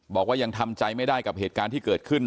บอกว่ายังทำใจไม่ได้กับเหตุการณ์ที่เกิดขึ้น